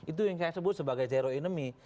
itu yang saya sebut sebagai zero enemy